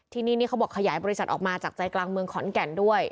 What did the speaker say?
ที่นี่นี่เขาบอกขยายบริษัทออกมาจากใจกลางเมืองขอนแก่นด้วย